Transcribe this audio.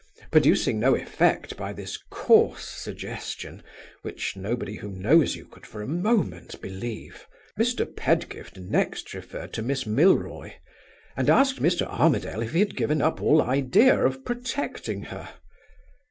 Producing no effect by this coarse suggestion (which nobody who knows you could for a moment believe), Mr. Pedgift next referred to Miss Milroy, and asked Mr. Armadale if he had given up all idea of protecting her.